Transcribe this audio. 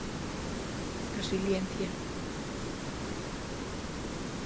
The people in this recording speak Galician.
Resiliencia.